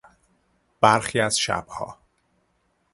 برخی از شبها